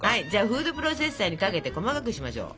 フードプロセッサーにかけて細かくしましょう。